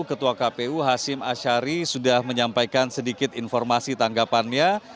ketua kpu hashim ashari sudah menyampaikan sedikit informasi tanggapannya